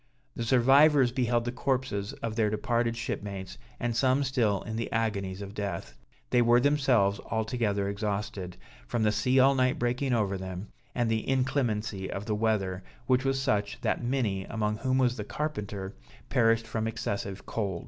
The survivors beheld the corpses of their departed shipmates, and some still in the agonies of death. They were themselves altogether exhausted, from the sea all night breaking over them, and the inclemency of the weather, which was such, that many, among whom was the carpenter, perished from excessive cold.